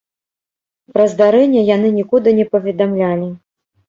Пра здарэнне яны нікуды не паведамлялі.